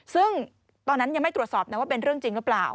ซึ่งตอนนั้นยังไม่ตรวจสอบนะว่าเป็นเรื่องจริงหรือเปล่า